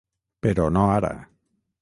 Però no ara.